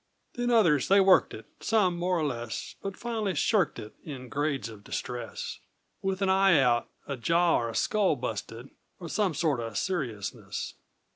Then others they worked it Some more or less, But finally shirked it, In grades of distress, With an eye out a jaw or skull busted, Or some sort o' seriousness.